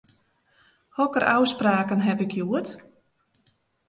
Hokker ôfspraken haw ik hjoed?